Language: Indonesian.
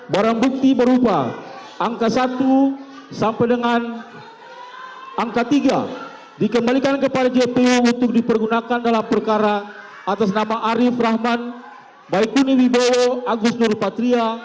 barang bukti berupa angka satu sampai dengan angka tiga dikembalikan kepada jpu untuk dipergunakan dalam perkara atas nama arief rahman baikuni wibowo agus nurpatria